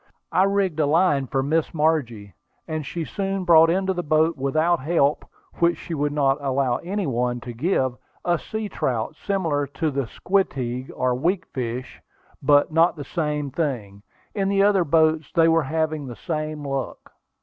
I rigged a line for Miss Margie, and she soon brought into the boat without help, which she would not allow any one to give, a sea trout, similar to the squeteague or weakfish, but not the same thing. In the other boats they were having the same luck.